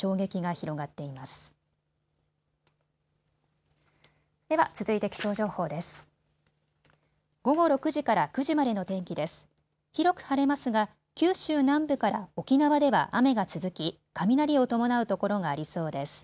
広く晴れますが九州南部から沖縄では雨が続き雷を伴う所がありそうです。